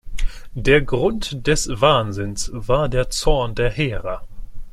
Der Grund des Wahnsinns war der Zorn der Hera.